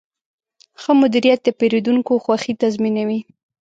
ښه مدیریت د پیرودونکو خوښي تضمینوي.